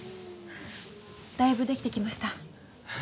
だいぶできてきました